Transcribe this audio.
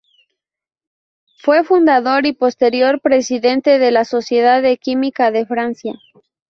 Fue fundador y posterior presidente de la Sociedad de Química de Francia.